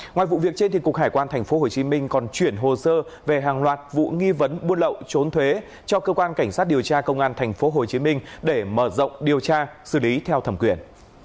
ngoài vụ việc trên cục hải quan tp hcm còn chuyển hồ sơ về hàng loạt vụ nghi vấn buôn lậu trốn thuế cho cơ quan cảnh sát điều tra công an tp hcm để mở rộng điều tra xử lý theo thẩm quyền